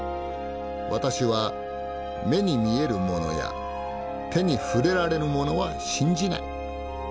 「私は目に見えるものや手に触れられるものは信じない。